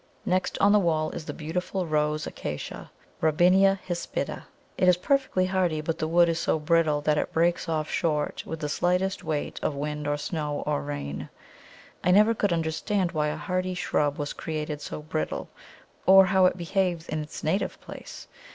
Next on the wall is the beautiful Rose Acacia (Robinia hispida). It is perfectly hardy, but the wood is so brittle that it breaks off short with the slightest weight of wind or snow or rain. I never could understand why a hardy shrub was created so brittle, or how it behaves in its native place.